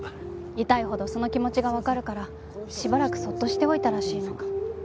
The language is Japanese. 痛いほどその気持ちがわかるからしばらくそっとしておいたらしいの。